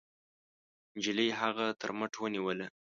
نجلۍ هغه تر مټ ونيوله.